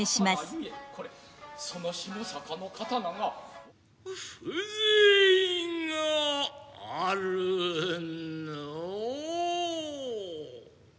これその下坂の刀が風情があるなあ。